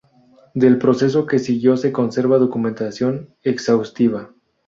Del proceso que siguió se conserva documentación exhaustiva.